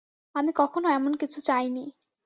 আমি কখনো এমন কিছু চাইনি।